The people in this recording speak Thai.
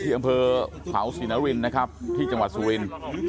ที่อังเฟอร์เผาศรีนวินนะครับที่จังหวัดสุวิน